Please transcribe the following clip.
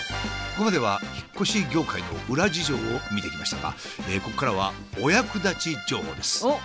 ここまでは引っ越し業界の裏事情を見てきましたがここからはお役立ち情報です。